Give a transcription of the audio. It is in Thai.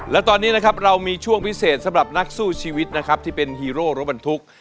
และตอนนี้นะครับเรามีช่วงพิเศษสำหรับนักสู้ชีวิตนะครับที่เป็นฮีโร่รถบรรทุก